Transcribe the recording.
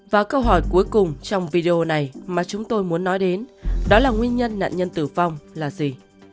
và câu hỏi cuối cùng trong video này mà chúng tôi muốn nói đến đó là nguyên nhân nạn nhân tử vong là gì